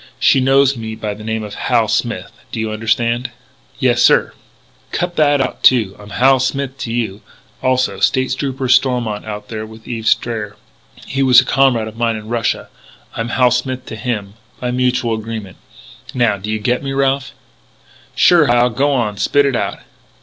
She knows me by the name of Hal Smith. Do you understand?" "Yes, sir " "Cut that out, too. I'm Hal Smith to you, also. State Trooper Stormont is out there with Eve Strayer. He was a comrade of mine in Russia. I'm Hal Smith to him, by mutual agreement. Now do you get me, Ralph?" "Sure, Hal. Go on; spit it out!"